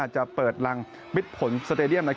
จะเปิดรังมิดผลสเตดียม